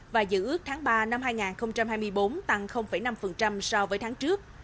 và dự ước tháng ba năm hai nghìn hai mươi bốn tăng năm so với tháng trước